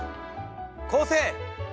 昴生！